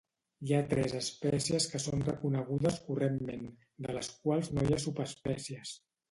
Hi ha tres espècies que són reconegudes correntment, de les quals no hi ha subespècies.